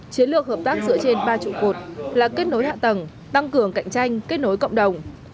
chiến lược hợp tác dựa trên ba trụ cột là kết nối hạ tầng tăng cường cạnh tranh kết nối cộng đồng